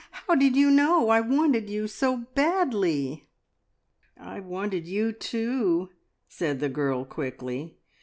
How did you know I wanted you so badly?" "I wanted you too!" said the girl quickly.